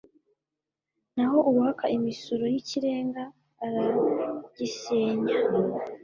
naho uwaka imisoro y'ikirenga aragisenya